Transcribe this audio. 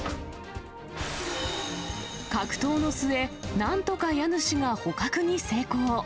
格闘の末、なんとか家主が捕獲に成功。